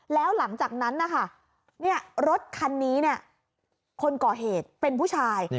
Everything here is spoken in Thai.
แล้วหลังจากนั้นนะคะรถคันนี้คนก่อเหตุเป็นผู้ชาย